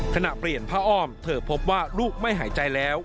ขณะเปลี่ยนผ้าอ้อมเธอพบว่าลูกไม่หายใจแล้ว